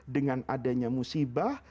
dengan adanya musibah